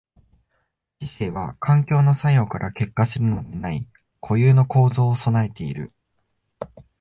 知性は環境の作用から結果するのでない固有の構造を具えている。